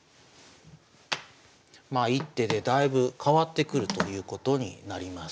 まあ一手でだいぶ変わってくるということになります。